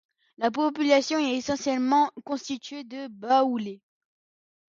La population est essentiellement constituée de Baoulés.